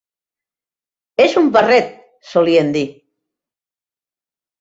«És un barret», solien dir.